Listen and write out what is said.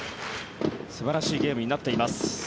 素晴らしいゲームになっています。